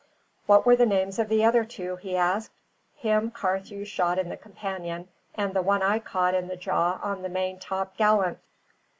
"What were the names of the other two?" he asked. "Him Carthew shot in the companion, and the one I caught in the jaw on the main top gallant?"